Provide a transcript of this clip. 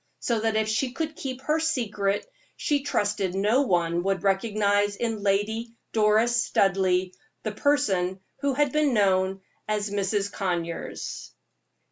So that if she could keep her secret, she trusted no one would recognize in Lady Doris Studleigh the person who had been known as Mrs. Conyers.